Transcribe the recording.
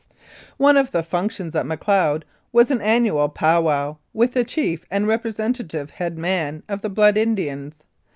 One of the functions at Macleod was an annual "pow wow" with the chief and representative head man of the Blood Indians.